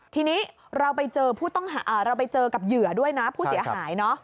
ทีนี้เราไปเจอกับเหยื่อด้วยนะผู้เสียหายเนอะ